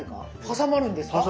挟まるんですか？